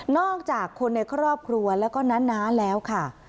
อกจากคนในครอบครัวแล้วก็น้าแล้วค่ะ